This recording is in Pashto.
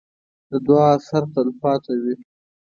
د دعا اثر تل پاتې وي.